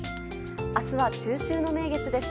明日は中秋の名月です。